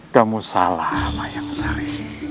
kamu salah mayang sari